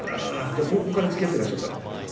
じゃあ高校からつきあってらっしゃったの？